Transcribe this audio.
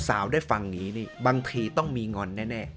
สาวได้ฟังอย่างนี้นี่บางทีต้องมีงอนแน่